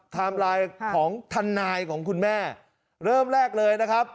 ไลน์ของทนายของคุณแม่เริ่มแรกเลยนะครับ